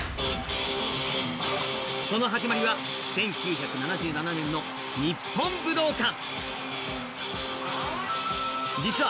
その始まりは１９７７年の日本武道館。